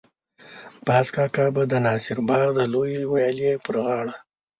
باز کاکا به د ناصر باغ د لویې ويالې پر غاړه.